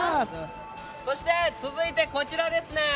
そして、続いてこちらですね。